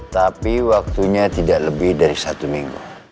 tapi waktunya tidak lebih dari satu minggu